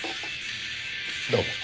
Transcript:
どうも。